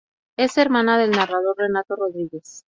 Es hermana del narrador Renato Rodríguez.